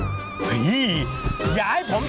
หรือใครกำลังร้อนเงิน